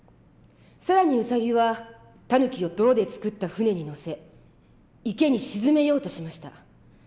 更にウサギはタヌキを泥で作った舟に乗せ池に沈めようとしました。